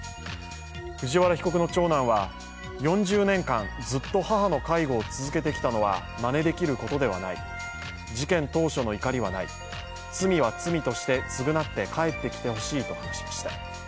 藤原被告の長男は、４０年間ずっと母の介護を続けてきたのはまねできることではない事件当初の怒りはない罪は罪として償って帰ってきてほしいと話しました。